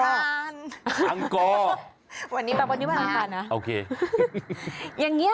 อย่างนี้คุณผู้ชม